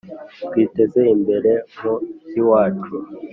Twiteze imbere mu by’iwacu